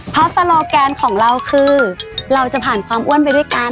เพราะสโลแกนของเราคือเราจะผ่านความอ้วนไปด้วยกัน